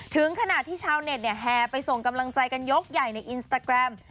ถึงขนาดที่ชาวเน็ตแห่ไปส่งกำลังใจกันยกใหญ่ในอินสตาแกรม